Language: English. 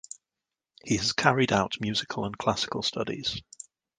He has carried out musical and classical studies.